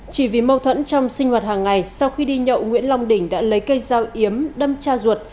chỉ vì mâu thuẫn trong sinh hoạt hàng ngày sau khi đi nhậu nguyễn long đình đã lấy cây dao yếm đâm cha ruột